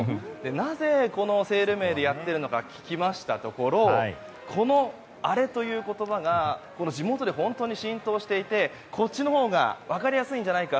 なぜ、このセール名でやっているのか聞きましたところこのアレという言葉が地元で本当に浸透していてこっちのほうが分かりやすいんじゃないか。